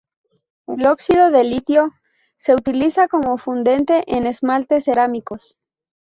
El óxido de litio se utiliza como fundente en esmaltes cerámicos.